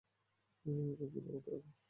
এখন কীভাবে যাবো?